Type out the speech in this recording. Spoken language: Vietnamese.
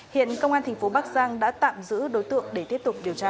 hiện công an tp bắc giang đã tạm giữ đối tượng để tiếp tục điều tra